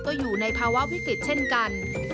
ก็อยู่ในภาวะวิกฤตเช่นกัน